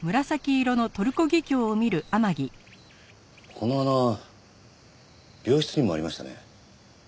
この花病室にもありましたね。